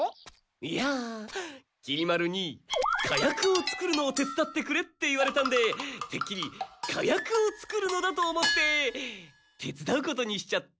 いやきり丸に「かやくを作るのを手つだってくれ」って言われたんでてっきり火薬を作るのだと思って手つだうことにしちゃった。